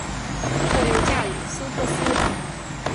后又嫁予苏托斯。